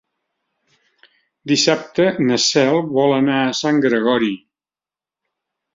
Dissabte na Cel vol anar a Sant Gregori.